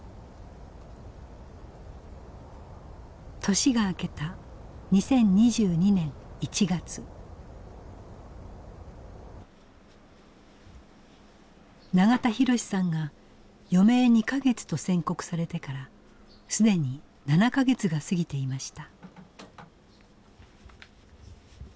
年が明けた永田博さんが余命２か月と宣告されてから既に７か月が過ぎていました。